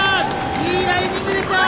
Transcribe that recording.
いいライディングでした。